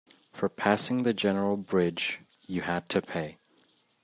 For passing the general bridge, you had to pay.